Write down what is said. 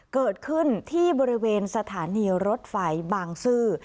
เกิดขึ้นที่บริเวณสถานีรถไฟบางซื่อ